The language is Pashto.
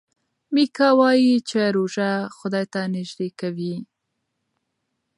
میکا وايي چې روژه خدای ته نژدې کوي.